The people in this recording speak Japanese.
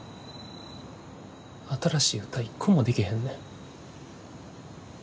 新しい歌、一個もできへんねん。